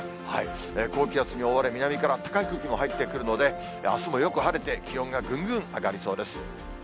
高気圧に覆われ、南から暖かい空気も入ってくるので、あすもよく晴れて、気温がぐんぐん上がりそうです。